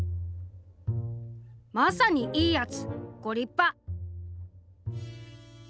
「まさに『いいやつ』ご立派！」。